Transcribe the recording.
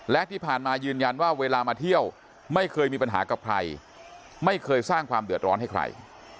และที่ผ่านมายืนยันว่าเวลามาเที่ยวไม่เคยมีปัญหากับใครไม่เคยสร้างความเดือดร้อนให้ใคร